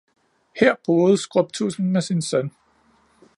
her boede skrubtudsen med sin søn.